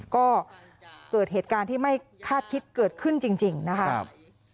ก็เกิดเหตุการณ์ที่ไม่คาดคิดเกิดขึ้นจริงนะครับ